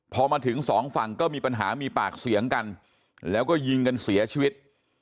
พอมาถึงสองฝั่งก็มีปัญหามีปากเสียงกันแล้วก็ยิงกันเสียชีวิต